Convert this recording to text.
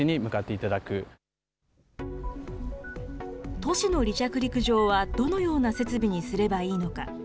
都市の離着陸場はどのような設備にすればいいのか。